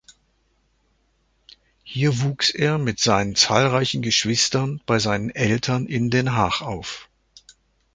Hier wuchs er mit seinen zahlreichen Geschwistern bei seinen Eltern in Den Haag auf.